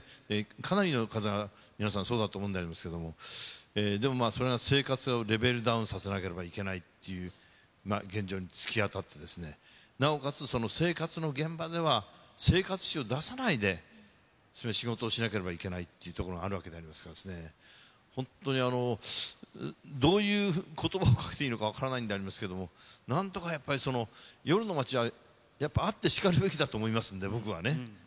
かなりの方が皆さん、そうだと思うんでありますけれども、でもそれが生活をレベルダウンさせなければいけないっていう現状に突き当たって、なおかつ、その生活の現場では、生活臭を出さないでそういう仕事をしなければいけないっていうところがあるわけでありましてですね、本当にどういうことばをかけていいのか、分からないんでありますけれども、なんとかやっぱり、夜の街は、あってしかるべきだと思いますんで、僕はね。